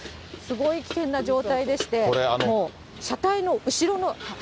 すごい危険な状態でして、もう車体の後ろの。